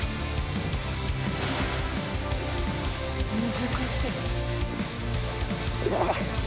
難しい！